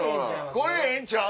これええんちゃう？